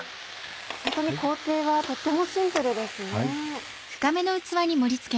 ホントに工程はとってもシンプルですね。